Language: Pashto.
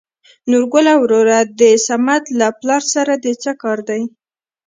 نورګله وروره د سمد له پلار سره د څه کار دى ؟